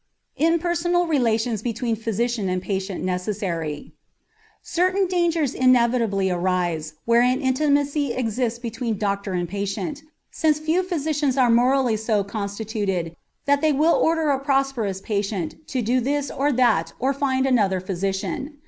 IMPERSONAL RELATIONS BETWEEN PHYSICIAN AND PATIENT NECESSARY Certain dangers inevitably arise where an intimacy exists between doctor and patient, since few physicians are morally so constituted that they will order a prosperous patient to do this or that or find another physician.